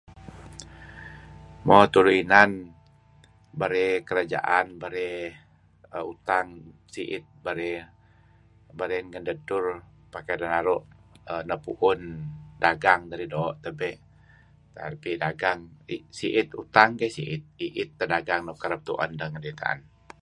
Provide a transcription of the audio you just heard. Mo tulu inan berey kerajaan berey deh utang si'it berey berey ngen dedtur pakai deh naru' nepu'un dagang dedih doo' tebe' erti dagang si'it utang keh i'it teh dagang nuk kereb tu'en deh na'en.